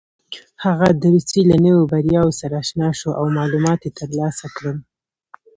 هغه د روسيې له نویو بریاوو سره اشنا شو او معلومات یې ترلاسه کړل.